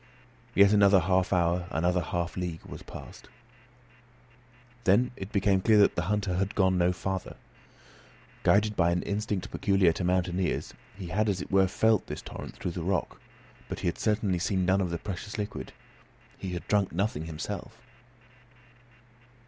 Yet another half hour, another half league was passed. Then it became clear that the hunter had gone no farther. Guided by an instinct peculiar to mountaineers he had as it were felt this torrent through the rock; but he had certainly seen none of the precious liquid; he had drunk nothing himself.